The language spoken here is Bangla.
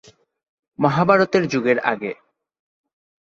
মহাভারতের যুগের আগে।